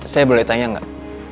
saya boleh tanya gak